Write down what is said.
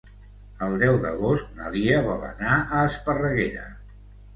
El deu d'agost na Lia vol anar a Esparreguera.